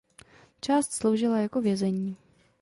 Část sloužila jako vězení.